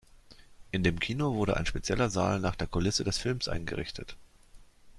In dem Kino wurde ein spezieller Saal nach der Kulisse des Films eingerichtet.